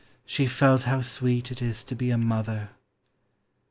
She felt how sweet it is to be a mother.